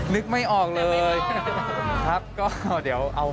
นึกไม่ออกเลย